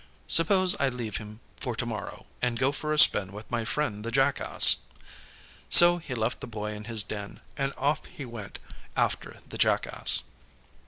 Suppose I leave him for to morrow, and go for a spin with my friend the Jackass." So he left the Boy in his den, and off he went after the Jackass.